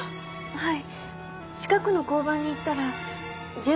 はい。